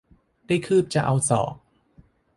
ได้คืบจะเอาศอก